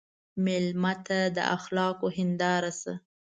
مېلمه ته د اخلاقو هنداره شه.